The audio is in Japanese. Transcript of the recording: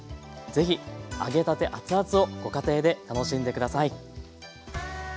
是非揚げたて熱々をご家庭で楽しんで下さい。